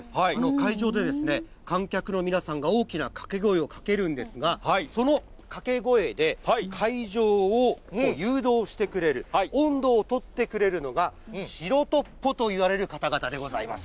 会場の観客の皆さんが大きな掛け声をかけるんですが、その掛け声で会場を誘導してくれる、音頭を取ってくれるのが、白トッポといわれるかたがたでございます。